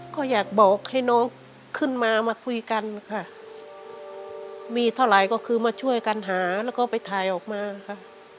ก็อยากบอกให้น้องขึ้นมามาคุยกันค่ะมีเท่าไหร่ก็คือมาช่วยกันหาแล้วก็ไปถ่ายออกมาค่ะ